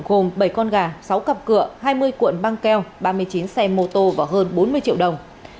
các đối tượng gồm bảy con gà sáu cặp cửa hai mươi cuộn băng keo ba mươi chín xe mô tô và hơn bốn mươi triệu đồng